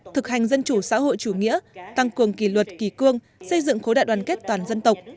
thực hành dân chủ xã hội chủ nghĩa tăng cường kỷ luật kỳ cương xây dựng khối đại đoàn kết toàn dân tộc